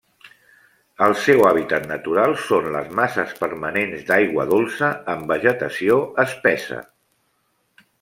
El seu hàbitat natural són les masses permanents d'aigua dolça amb vegetació espessa.